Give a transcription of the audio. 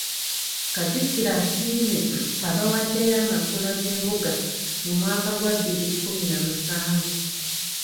Katikkiro asiimye abawaddeyo amakula g’embuga mu mwaka gwa bbiri kkumi na musanvu.